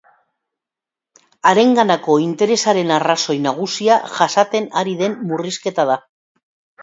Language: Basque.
Harenganako interesaren arrazoi nagusia jasaten ari den murrizketa da.